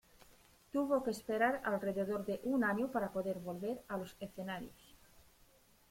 Tuvo que esperar alrededor de un año para poder volver a los escenarios.